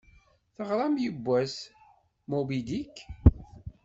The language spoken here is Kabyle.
Teɣṛam yewwas "Moby Dick"?